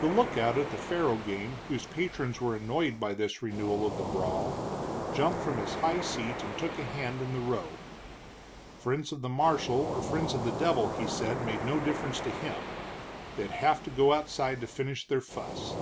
The lookout at the faro game, whose patrons were annoyed by this renewal of the brawl, jumped from his high seat and took a hand in the row. Friends of the marshal or friends of the devil, he said, made no difference to him. They'd have to go outside to finish their fuss.